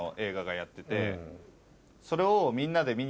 それを。